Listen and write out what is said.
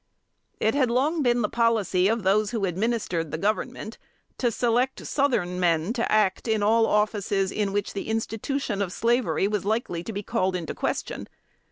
It had long been the policy of those who administered the Government, to select Southern men to act in all offices in which the institution of slavery was likely to be called in question.